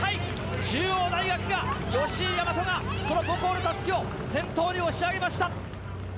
中央大学が吉居大和が、その母校の襷を先頭に押し上げました。